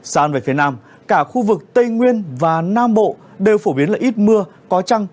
xa về phía nam cả khu vực tây nguyên và nam bộ đều phổ biến là ít mưa có trăng